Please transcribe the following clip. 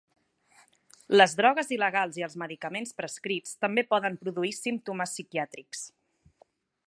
Les drogues il·legals i els medicaments prescrits també poden produir símptomes psiquiàtrics.